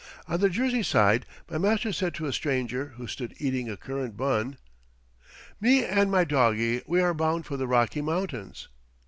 On the Jersey side my master said to a stranger who stood eating a currant bun: "Me and my doggie, we are bound for the Rocky Mountains."